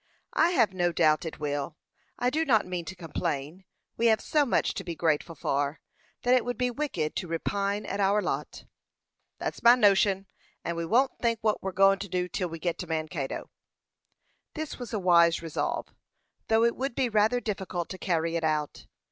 "I have no doubt it will. I do not mean to complain. We have so much to be grateful for, that it would be wicked to repine at our lot." "Thet's my notion; and we won't think what we're go'n to do till we get to Mankato." This was a wise resolve, though it would be rather difficult to carry it out.